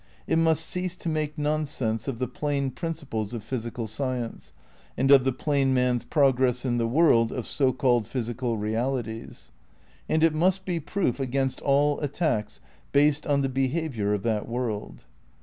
It must cease to make non sense of the plain principles of physical science, and of the plain man's progress in the world of so called physical realities; and it must be proof against all attacks based on the behaviour of that world.